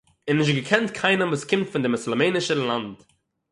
און נישט געקענט קיינעם וואָס קומט פון דעם מוסולמענישן לאַנד